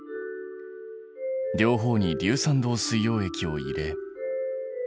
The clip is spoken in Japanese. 両方に硫酸銅水溶液を入れ。